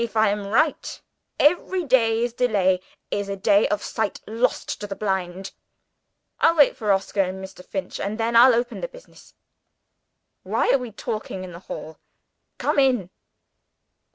If I am right, every day's delay is a day of sight lost to the blind. I'll wait for Oscar and Mr. Finch; and then I'll open the business. Why are we talking in the hall? Come in!"